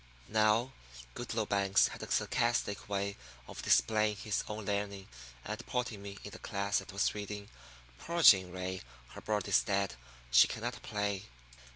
Now, Goodloe Banks had a sarcastic way of displaying his own learning and putting me in the class that was reading "Poor Jane Ray, her bird is dead, she cannot play."